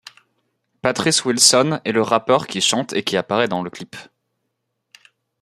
Patrice Wilson est le rappeur qui chante et qui apparaît dans le clip.